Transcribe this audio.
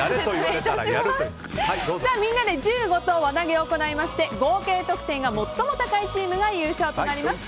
みんなで１５投輪投げを行いまして合計得点が最も高いチームが優勝となります。